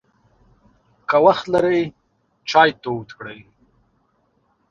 که وخت لرې، چای تود کړه!